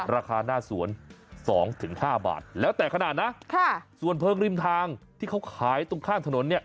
ราคาหน้าสวน๒๕บาทแล้วแต่ขนาดนะส่วนเพลิงริมทางที่เขาขายตรงข้ามถนนเนี่ย